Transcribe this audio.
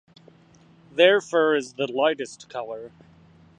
Their fur is the lightest colour.